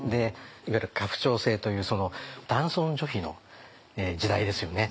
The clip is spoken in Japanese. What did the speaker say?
いわゆる家父長制というその男尊女卑の時代ですよね。